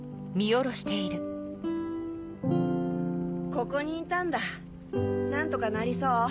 ここにいたんだ何とかなりそう？